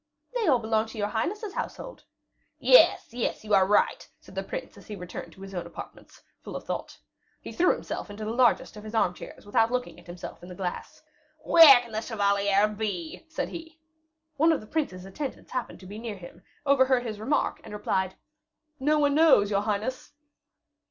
"They all belong to your highness's household." "Yes, yes, you are right," said the prince, as he returned to his own apartments, full of thought. He threw himself into the largest of his arm chairs, without looking at himself in the glass. "Where can the chevalier be?" said he. One of the prince's attendants happened to be near him, overheard his remark, and replied, "No one knows, your highness."